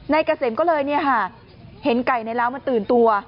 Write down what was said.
เกษมก็เลยเห็นไก่ในร้าวมันตื่นตัว